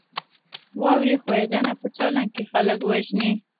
واورې ښویدنه په سالنګ کې خلک وژني؟